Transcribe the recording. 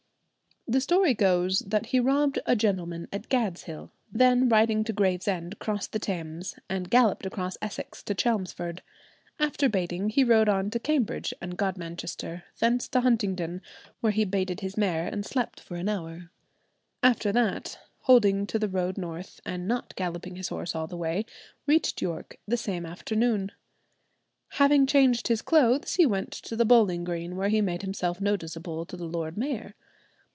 The story goes that he robbed a gentleman at Gadshill, then riding to Gravesend, crossed the Thames, and galloped across Essex to Chelmsford. After baiting he rode on to Cambridge and Godmanchester, thence to Huntingdon, where he baited his mare and slept for an hour; after that, holding to the north road, and not galloping his horse all the way, reached York the same afternoon. Having changed his clothes, he went to the bowling green, where he made himself noticeable to the lord mayor.